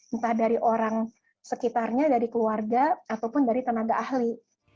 entah dari orang sekitarnya dari keluarga ataupun dari tenaga ahli